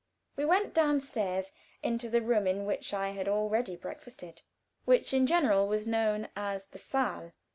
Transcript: We went down stairs, into the room in which I had already breakfasted, which, in general, was known as the saal.